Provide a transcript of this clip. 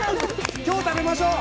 今日食べましょう。